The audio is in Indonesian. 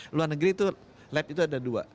luar negeri itu lab itu ada dua